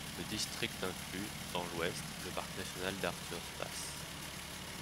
Le district inclut, dans l'ouest, le parc national d'Arthur's Pass.